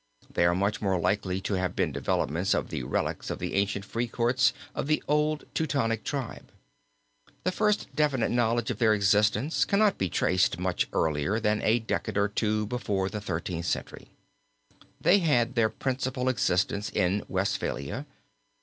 They are much more likely to have been developments out of the relics of the ancient free courts of the old Teutonic Tribe. The first definite knowledge of their existence cannot be traced much earlier than a decade or two before the Thirteenth Century. They had their principal existence in Westphalia.